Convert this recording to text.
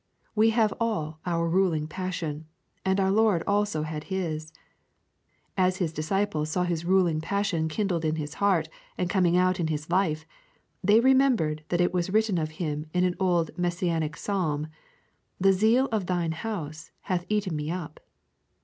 We have all our ruling passion, and our Lord also had His. As His disciples saw His ruling passion kindled in His heart and coming out in His life, they remembered that it was written of Him in an old Messianic psalm: 'The zeal of Thine house hath eaten me up.'